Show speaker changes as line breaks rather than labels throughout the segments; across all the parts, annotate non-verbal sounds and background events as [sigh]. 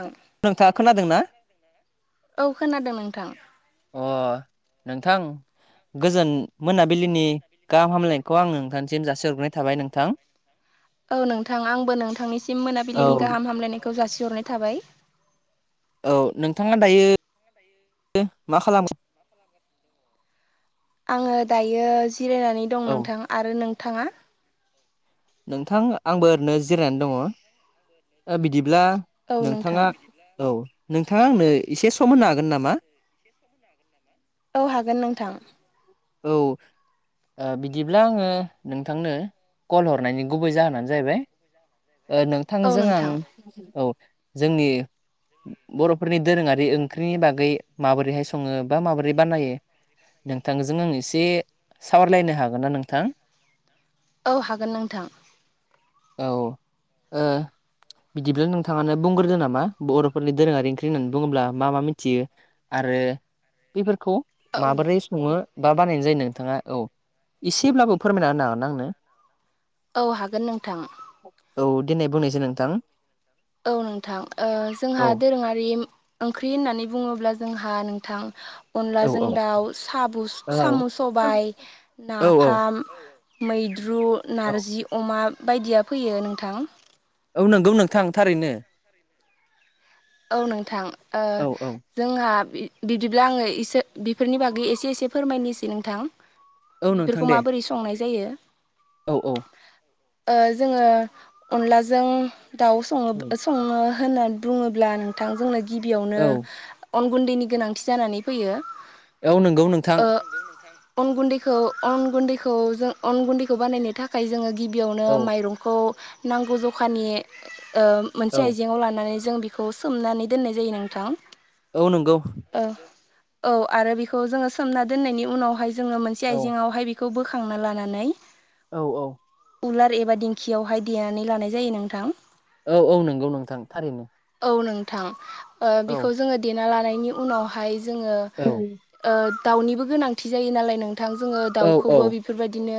औ
नोंथाङा खोनादों ना?
खोनादों नोंथां
अ नोंथां गोजोन मोनाबिलिनि गाहाम हामलायनायखौ आं नोंथांसिम जासि हरग्रोनाय थाबाय नोंथां।
औ नोंथां आंबो नोंथांनिसिम
औ
मोनाबिलिनि गाहाम हामलायनायखौ जासिहरनाय थाबाय।
औ नोंथाङा दायो मा खालामो?
आंङो दायो जिरायनानै दं
औ
नोंथां आरो नोंथाङा?
नोंथां आंबो ओरैनो जिरायनानै दङ बिदिब्ला
औ नोंथां
नोंथाङा औ नोंथाङा आंनो एसे सम होनो हागोन नामा?
औ हागोन नोंथां।
औ ओ बिदिब्ला आङो नोंथांनो कल हरनायनि गुबै जाहोनानो जाहैबाय
औ
नोंथांजों आं
नोंथां
औ जोंनि बर'फोरनि दोरोङारि ओंख्रिनि बागै माबोरैहाय सङो बा माबोरै बानायो नोंथांजों आं एसे सावरायलायनो हागोन ना नोंथां?
औ हागोन नोंथां।
औ ओ बिदिब्ला नोंथाङानो बुंग्रोदों नामा बर'फोरनि दोरोङारि ओंख्रि होननानै बुङोब्ला मा मा मिथियो? आरो बेफोरखौ
औ
माबोरै सङो बा बानायनाय जायो नोंथाङा औ एसेब्लाबो फोरमायना होनो हागोन ना आंनो?
औ हागोन नोंथां
औ दिनै बुंनायसाय नोंथां
औ नोंथां ओ जोंहा
औ
दोरोङारि ओंख्रि होननानै बुङोब्ला जोंहा नोंथां
औ
अनलाजों
औ
दाउ साबु
औ
साम' सबाय
औ औ
नाफाम मैद्रु
औ
नारजि अमा बायदिया फैयो नोंथां
औ नंगौ नोंथां थारैनो
औ नोंथां ओ
औ औ
जोंहा बिदिब्ला आङो इसोर बिफोरनि बागै एसे एसे फोरमायनोसै नोंथां
औ नोंथां
बेफोरखौ
दे
माबोरै संनाय जायो?
औ औ
ओ जोङो अनलाजों दाउ सङो सङो होननानै बुङोब ब्ला नोंथां जोंनो गिबियावनो
औ
अन गुन्दैनि गोनांथि जानानै फैयो।
औ नंगौ नोंथां
अन गुन्दैखौ अन गुन्दैखौ जों अन गुन्दैखौ बानायनो थाखा थाखाय जोङो गिबियावनो
औ
माइरंखौ नांगौ जखानि ओ मोनसे
औ
आइजेंआव लानानै जों बेखौ सोमनानै दोननाय जायो नोंथां।
औ नंगौ
ओ औ आरो बेखौ जोङो सोमना दोननायनि उनावहाय जोङो मोनसे
औ
आइजेंआवहाय बेखौ बोखांना लानानै
औ औ
उलार एबा दिंखियावहाय देनानै लानाय जायो नोंथां।
औ औ नंगौ नोंथां थारैनो
औ नोंथां
औ
बेखौ जोङो देना लानायनि उनावहाय जोङो
औ
ओ दाउनिबो गोनांथि जायो नालाय नोंथां जोङो
औ
दाउखौबो बेफोरबायदिनो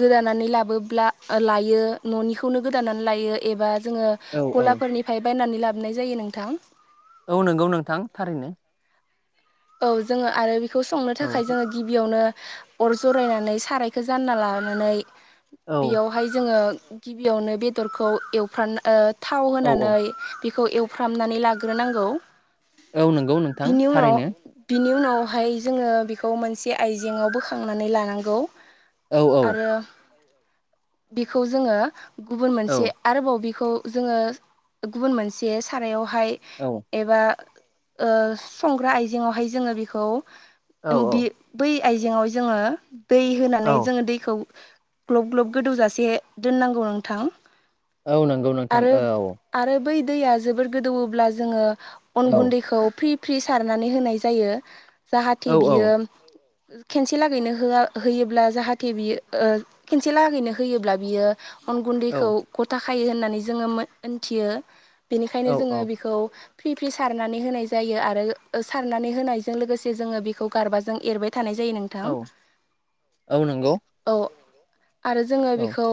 गोदानानै लाबोब्ला लायो न'निखौनो गोदानानै लायो एबा जोङो
औ औ
गलाफोरनिफ्राय बायनानै लाबोनाय जायो नोंथां।
औ नंगौ नोंथां थारैनो
औ जोङो आरो बेखौ संनो
औ
थाखाय जोङो गिबि बियावनो अर जरायनानै सारायखौ जानना लानानै
औ
बेयाव बेहाय जोङो गिबियावनो बेदरखौ एवफ्र थाव
औ औ
होनानै बेखौ फ्रामनानै लाग्रोनांगौ।
औ नंगौ नोंथां
बिनि उनाव
थारैनो
बिनि उनावहाय जोङो बेखौ मोनसे आइजेंआव बोखांनानै लानांगौ।
औ
आरो बेखौ जोङो गुबुन
औ
मोनसे आरोबाव बेखौ जोङो गुबुन मोनसे सारायावहाय
औ
एबा संग्रा आइजेङावहाय जोङो बेखौ
औ
बि बै आइजेंआव जोङो दै
औ
होनानै जोङो दैखौ ग्लब ग्लब गोदौजासे दोननांगौ नोंथां।
औ नंगौ नोंथां
आरो
औ
आरो बै दैया जोबोर गोदौोब्ला जोङो अन
औ
गुन्दैखौ फ्रि फ्रि सारना नानै होनाय जायो
औ
जाहाथे
औ
बियो खेनसे लागैनो होआ होयोब्ला जाहाथे बियो ओ खेनसे लागैनो होयोब्ला बियो अन
औ
गुन्दैखौ गथ खायो होननानै जोङो मोनथियो बेनिखायनो
औ औ
जोङो बेखौ फ्रि फ्रि सारनानै होनाय जायो आरो सारनानै होनायजों लोगोसे जोङो बेखौ गारबाजों एरबाय थानाय जायो नों थां‌
औ औ नंगौ
औ आरो जोङो
औ
बेखौ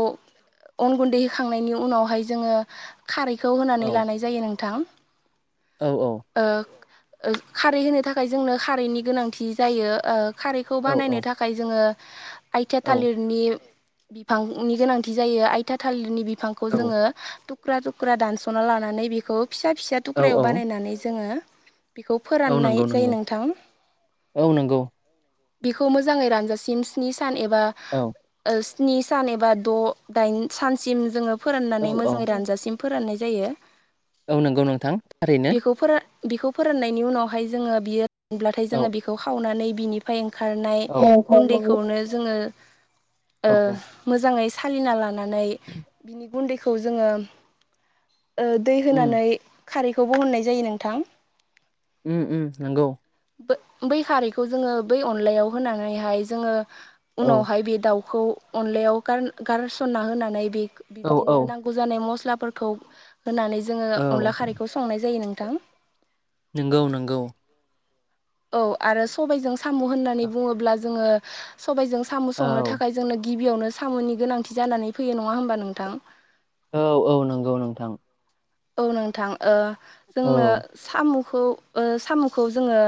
अन गुन्दै होखांनायनि उनावहाय जोङो खारैखौ
औ
होनानै लानाय जायो नोंथां।
औ औ
ओ खारै होनो थाखाय जोंनो खारैनि गोनांथि जायो खारैखौ
औ
बानायनो थाख थाखाय जोङो आइथिया थालिरनि बिफांनि गोनांथि जायो आइथा थालिरनि बिफांखौ जोङो थु थुख्रा थुख्रा दानस'ना लानानै बेखौ फिसा फिसा
औ
थुख्रायाव
औ
बानायनानै जोङो बेखौ
औ
फोराननाय
नंगौ
जायो
नंगौ
नोंथां।
औ नंगौ
बिखौ मोजाङै रानजासिम स्नि सान एबा
औ
स्नि सान एबा द' दाइन सानसिम जोङो
औ
फोराननानै
औ
मोजाङै रानजासिम फोराननाय जायो।
औ नंगौ नोंथां थारैनो।
फोर बिखौ फोराननायनि उनावहाय जोङो बियो रानब्लाथाय
औ
जोङो बेखौ खावनानै बिनि फाय ओंखारनाय
औ औ
गुन्दैखौनो जोङो ओ
औ
मोजाङै सालिना लानानै बिनि गुन्दैखौ जोङो ओ दै
उम
होनानै खारैखौ बो हरनाय जायो नोंथां।
उम उम नंगौ
बै खारैखौ जोङो बै अनलायाव होनानैहाय जोङो
औ
उनावहाय बे दाउखौ अनलायाव गार-गारसनना होनानै बे
औ औ
बिदिनो नांगौ गौ जानाय मस्लाफोरखौ होनानै जोङो
औ
अनला खारैखौ संनाय जायो नोंथां।
नोंगौ नोंगौ
औ आरो सबायजों साम' होननानै
औ
बुङोब्ला जोङो सबायजों साम' संनो थाखाय जोंनो गिबियावनो साम'नि गोनांथि जानानै फैयो नङा होमबा नोंथां?
औ औ नंगौ नोंथां।
औ नोंथां
औ
जोंनो साम'खौ साम'खौ जोङो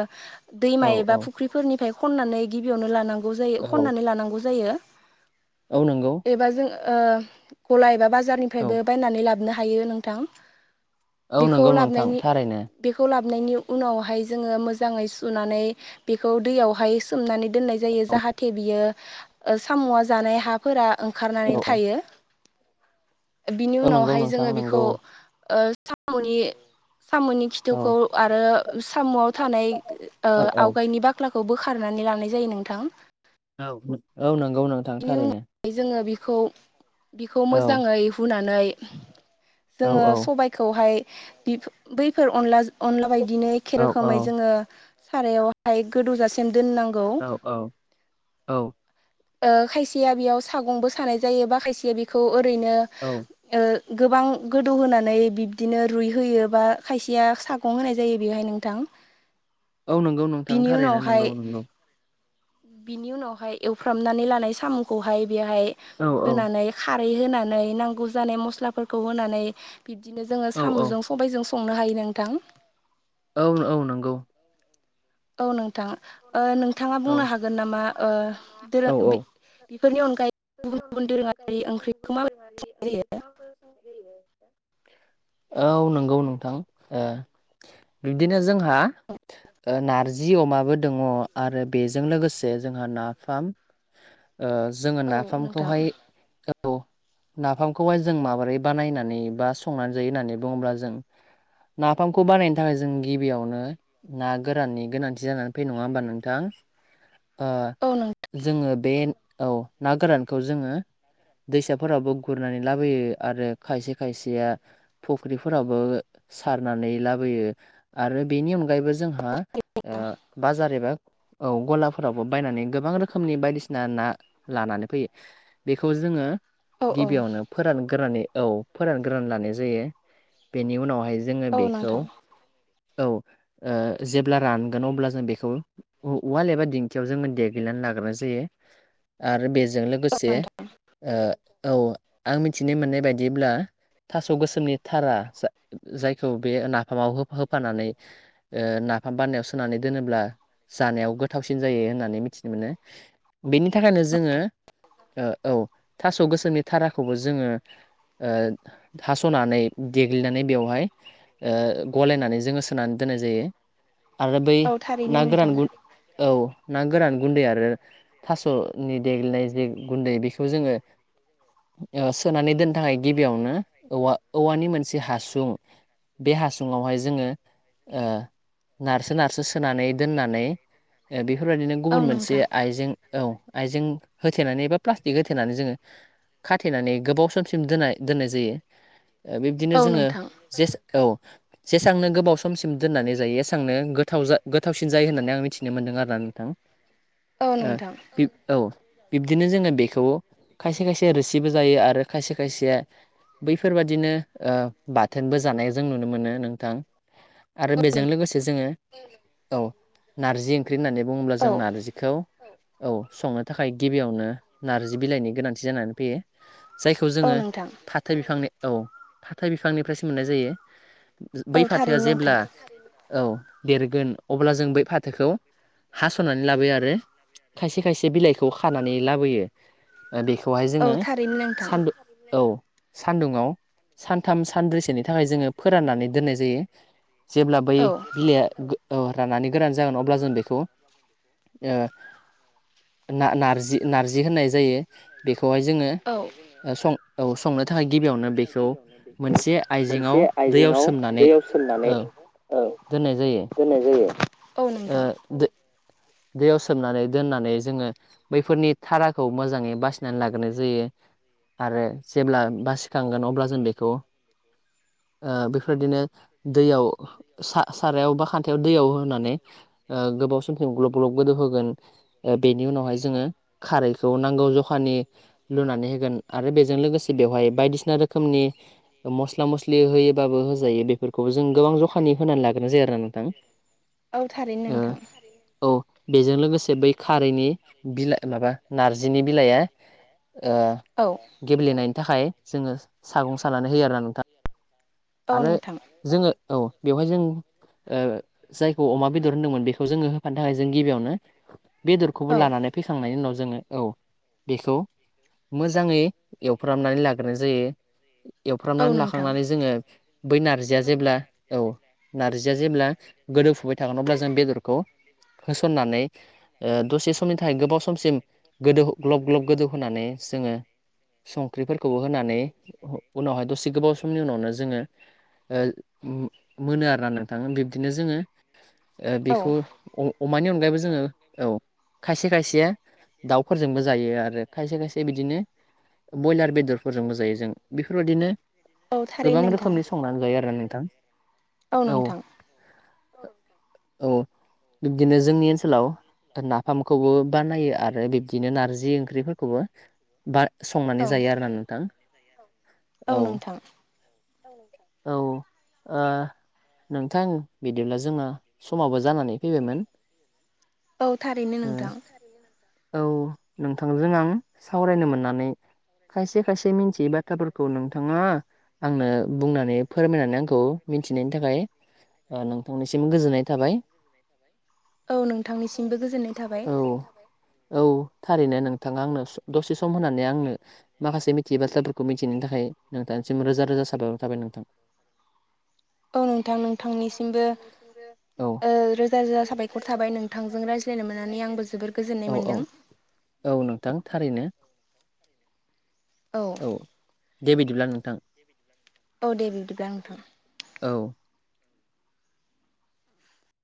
औ
दैमा एबा
औ
फुख्रिफोरनिफ्राय खन्नानै गिबियावनो लानांगौ जायो
औ
खन्नानै लानांगौ जायो।
औ नंगौ
एबा जों गला एबा
औ
बाजारनिफ्रायबो बायनानै लाबोनो हायो नोंथां।
औ
बेखौ
नंगौ नोंथां
लाबोनायनि
थारैनो
बेखौ लाबोननि उनावहाय जोङो मोजाङै सुनानै बेखौ दैयावहाय सो सोमनानै दोननाय जायो
औ
जाहाथे बियो साम'आ जानाय हा फोरा ओंखारनानै
औ
थायो बिनि
औ नंगौ
उनावहाय
नोंथां
जोङो बिखौ
नंगौ
साम'नि साम'नि
औ
खिथुखौ आरो साम'आव थानाय
औ औ
आवगायनि बाख्लाखौ बोखारनानै लानाय जायो नोंथां।
औ औ नंगौ नों थांथारैनो।
खौ
औ
मोजाङै हुनानै
औ
जोङो
औ
सो सबबायखौहाय बि बैफोर अनला अनला बायदिनो एखे
औ औ
रोखोमै जोङो सारायावहाय गोदौजासिम दोननां
औ औ औ।
ओ खायसेया बेयाव सागंबो सानाय जायो बा खायसेया बेखौ ओरैनो
औ।
ओ गोबां गोदौहोनानै बिब्दिनो रुइहोयो बा खायसेया सा गं होनाय जायो बेहाय नोंथां।
औ नोंगौ नोंथां
बिनि
थारैनो
उनावहाय
नोंगौ नोंगौ।
बिनि उनावहाय एवफ्रामनानै लानाय साम'खौहाय बेहाय
औ
होनानै खारै होनानै नांगौ जानाय मस्लाफोरखौ होनानै बिदिनो जोङो
औ औ
सामु'जों सबायाइजों संनो हायो नोंथां।
औ औ नंगौ।
औ नोंथां ओ नोंथाङा
औ
बुंनो हागोन नामा ओ [unintelligible] अनगायै
बेफोरनि
गुबुन
अनगायै
दोरोङारि
गुबुन
ओंख्रिखौ
गुबुन
माबायदि
धोरोङारि ओंख्रैखौ
जायो
माबोरै औ नंगौ नोंथां ओ। बिब्दिनो जोंहा ओ नारजि अमाबो दङ' आरो बेजों लोगोसे जोंहा नाफाम ओ जोङो
औ नोंथां
नाफामखौहाय औ नाफामखौहाय जों माबोरै बानायनानै बा संनानै जायो होननानै बुङोब्ला जों नाफामखौ बानायनो थाखाय जों गिबियावनो ना गोराननि गोनांथि जानानै फैयो नङा होमबा नों थां ओ
औ नोंथां
जोङो बे औ ना गोरानखौ जोङो दैसाफोरावबो गुरनानै लाबोयो आरो खायसे खायसेया फुख्रिफोरावबो सारनानै लाबोयो। आरो बेनि अनगायैबो जोंहा ओ बाजार एबा औ गलाफोरावबो बायनानै गोबां रोखोमनि बायदिसिना ना लानानै फैयो। बेखौ जोङो
औ औ
गिबियावनो फोरानग्रोनानै औ फोरानग्रोनानै लानाय जायो बेनि उनावहाय जोङो
औ
बेखौ
नोंथां
औ ओ जेब्ला रानगोन अब्ला जों बेखौ उवाल एबा दिंखियाव जोङो देग्लिनानै लाग्राय जायो आरो बे जों
औ
लोगोसे
नोंथां
ओ औ आं मिथिनो मोननाय बायदिब्ला थास' गोसोमनि थारा जा-जायखौ बे नाफामाव हो-होफानानै - ओ नाफाम बानायनायाव सोनानै दोनोब्ला जानायाव गोथावसिन जायो होननानै मिथिनो मोनो बेनि थाखायनो जोङो ओ औ थास' गोसोमनि थाराखौबो जोङो ओ हास'नानै देग्लिनानै बेवहाय ओ गलायनानै जोङो होनानै दोनाय जायो आरो बै
औ थारैनो
ना गोरान
नोंथां
गुन औ ना गोरान गुन्दै आरो थास'नि देग्लिनाय जे गुन्दै बेखौ जोङो ओ सोनानै दोननो थाखाय गिबियावनो औवा औवानि मोनसे हासुं बे हासुङावहाय जोङो ओ नारसो नारसो सोनानै दोननानै ओ बेफोरबायदिनो
औ
गुबुन मोनसे
नोंथां
आइजें औ आइजें होथेनानै एबा प्लास्टिक होथेनानै जोङो खाथेनानै गोबाव समसिम दोनाय दोननाय जायो ओ बिब्दिनो
औ
जोङो
नोंथां
जेसे औ जेसांनो गोबाव समसिम दोननानै जायो एसांनो गोथाव जा गो गोथावसिन जायो होननानै आं मिथिनो मोन्दों आरोना नोंथां
औ
ओ
नोंथां
बि औ। बिब्दिनो जोङो बेखौ खायसे खायसे रोसिबो जायो आरो खायसे खायसेया बैफोरबादिनो ओ बाथोनबो जानाय जों नुनो मोनो नोंथां। आरो बेजों लोगोसे जोङो औ नारजि ओंख्रि होननानै बुङोब्ला
औ
जों नार्जि खौ औ संनो थाखाय गिबियावनो नार्जि बिलाइनि गोनांथि जानानै फैयो। जायखौ
औ
जोङो
नोंथां
फाथो बिफांनि औ फाथो बिफांनिफ्रायसो मोननाय जायो।
औ
बै फाथोआ
थारैनो
जेब्ला
नोंथां
औ देरगोन अब्ला जों बै फाथोखौ हासननानै लाबोयो आरो खायसे खायसे बिलाइखौ खानानै लाबोयो ओ बेखौहाय
औ
जोङो
थारैनो नोंथां
सानदुं औ सान्दुंङाव सानथाम सानब्रैसोनि थाखाय जोङो फोराननानै दोननाय जायो जेब्ला बै
औ
बिलाइया गो औ राननानै गोरान जागोन अब्ला जों बेखौ ओ ना नारजि नारजि होननाय जायो बेखौहाय जोङो
औ
ओ सं औ संनो थाखाय गिबियावनो बेखौ मोनसे आइजेङाव दैयाव सोमनानै औ
सोमनानै
दोननाय जायो
दोननाय जायो
ओ दो दैयाव सोमनानै दोननानै जोङो बैफोरनि थाराखौ मोजाङै बासिनानै लाग्रोनाय जायो आरो जेब्ला बासिखांगोन अब्ला जों बेखौ बेफोरदिनो दैयाव सा-सारायाव बा खान्थायाव दैयाव होनानै ओ गोबाव समसिम ग्लब ग्लब गोदौ होग गोन ओ बेनि उनावहाय जोङो खारैखौ नांगौ जखानि लुनानै होगोन आरो बेजों लोगोसे बेवहाय बायदिसिना रोखोमनि मस्ला मस्लि होयोबाबो होजायो बे बेफोरखौ जों गोबां जखानि होनानै लाग्रोनो जायो आरोना नोंथां
औ थारैनो
ओ
नोंथां
औ बेजों लोगोसे बै खारैनि बिलाइ माबा नारजिनि बिलाइया ओ
औ
गेबलेनायनि थाखाय जोङो सागं सानानै होयो आरोना नोंथां
औ
आरो
नोंथां
जोङो औ बेवहाय जों ओ जायखौ अमा बेदर होनदोंमोन बेखौ जोङो होफानो थाखाय जों गिबियावनो बेदरखौबो
औ
लानानै फैखांनायनि उनाव जोङो औ बेखौ मोजाङै एवफ्रामनानै लाग्रोनाय जायो
औ
एवफ्रामनानै
नोंथां
लाखांनानै जोङो बै नारजिया जेब्ला औ नार्जिया जेब्ला गोदौफुबाय थागोन अब्ला जों बेदरखौ होसननानै ओ दसे समनि थाखाय गोबाव समसिम गोदौ ग्लब ग्लब गोदौ होनानै जोङो संख्रिफोरखौबो होनानै उनावह दसे गोबाव समनि उनावनो जोङो ओ उम मोनो आरोना नोंथां बिब्दिनो जोङो ओ
औ
बेखौ अमानि अनगायैबो जोङो औ खायसे खायसेया दाउफोरजोंबो जायो आरो खायसे खायसे बिदिनो ब्रयलार बेदर फोरजोंबो जायो जों बेफोरबायदिनो
औ थारैनो
गोबां
नोंथां
रोखोमनि संनानै जायो आरोना नोंथां
औ नोंथां
औ बिबदिनो जोंनि ओनसोलाव नाफामखौबो बानायो आरो बिब्दिनो नारजि ओंख्रिफोरखौबो बार संनानै
औ
जायो आरोना नोंथां
औ नोंथां
औ ओ नोंथां बिदिब्ला जोंना समाबो जानानै फैबायमोन
औ थारैनो
उम
नोंथां
औ नोंथांजों आं सावरायनो मोननानै खायसे खायसे मिन्थियै बाथ्राफोरखौ नोंथाङा आंनो बुंनानै फोरमायनानै आंखौ मिथिनायनि थाखाय ओ नोंथांनिसिम गोजोननाय थाबाय
औ नोंथांनिसिमबो गोजोननाय थाबाय
औ औ थारैनो नोंथाङा आंनो स दसे सम होननानै आंनो माखासे मिथियै बाथ्राफोरखौ मिथिनायनि थाखाय नोंथांनिसिम रोजा रोजा साबानो थाबाय नोंथां
औ नोंथां नोंथांनिसिमबो ओ रोजा रोजा साबायखर थाबाय नों थांजों रायज्लायनो मोननानै आंबो जोबोर गोजोननाय
औ औ
मोन्दों
औ नोंथां थारैनो औ दे बिदिब्ला नोंथां
औ दे बिदिब्ला नोंथां
औ